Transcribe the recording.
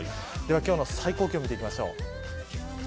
今日の最高気温見ていきましょう。